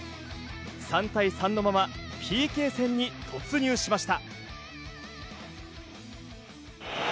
３対３のままＰＫ戦に突入しました。